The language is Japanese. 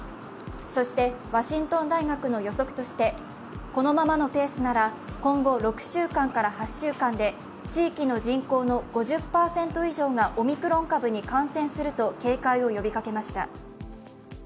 そして、ワシントン大学の予測としてこのままのペースなら、今後６週間から８週間で地域の人口の５０％以上がオミクロン株に感染すると警戒を呼びかけました。